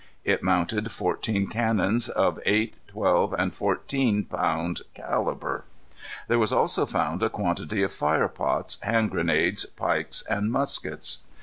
It mounted fourteen cannons, of eight, twelve, and fourteen pound calibre. There was also found a quantity of fire pots, hand grenades, pikes, and muskets.